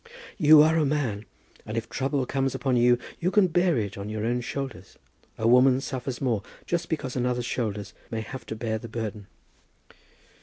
"You are a man, and if trouble comes upon you, you can bear it on your own shoulders. A woman suffers more, just because another's shoulders may have to bear the burden."